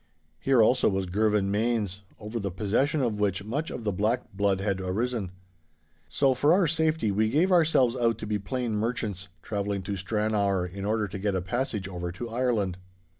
Here also was Girvan Mains, over the possession of which much of the black blood had arisen. So, for our safety, we gave ourselves out to be plain merchants travelling to Stranrawer in order to get a passage over to Ireland.